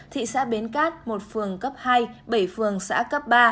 thị xã bến cát một phường cấp hai bảy phường xã cấp ba